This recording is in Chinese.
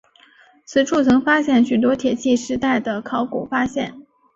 此处曾发现许多铁器时代的考古发现。